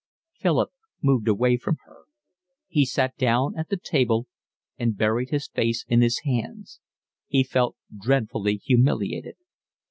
Philip moved away from her. He sat down at the table and buried his face in his hands. He felt dreadfully humiliated.